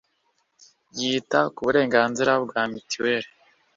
yita ku burenganzira bwa mitiweri